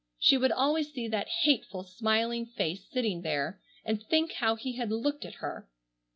She would always see that hateful, smiling face sitting there and think how he had looked at her.